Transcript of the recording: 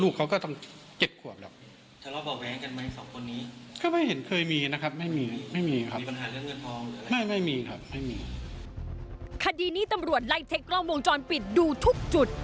คดีนี้ตำรวจไล่เช็คกล้องวงจรปิดดูทุกจุด